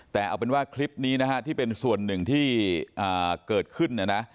แต่เอาเป็นว่าคลิปนี้นะฮะที่เป็นส่วนหนึ่งที่เกิดขึ้นเนี่ยนะ